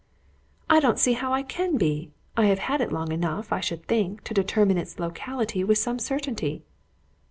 "I don't see how I can be. I have had it long enough, I should think, to determine its locality with some certainty."